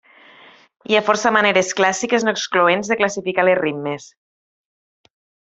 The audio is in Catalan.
Hi ha força maneres clàssiques no excloents de classificar les rimes.